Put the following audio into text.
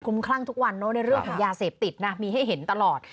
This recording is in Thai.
คลั่งทุกวันเนอะในเรื่องของยาเสพติดนะมีให้เห็นตลอด